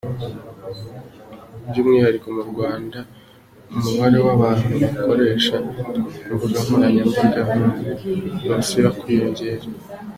By’umwihariko mu Rwanda, umubare w’abantu bakoresha imbuga nkoranyambaga ntusiba kwiyongera.